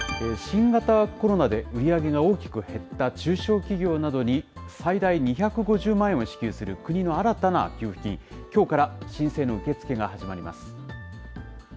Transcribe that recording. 新型コロナで売り上げが大きく減った中小企業などに、最大２５０万円を支給する国の新たな給付金、きょうから申請の受け付けが始まります。